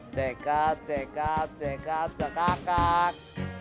cekat cekat cekat cekakak